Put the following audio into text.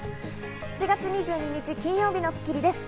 ７月２２日、金曜日の『スッキリ』です。